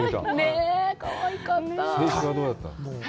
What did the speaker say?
清酒はどうだった？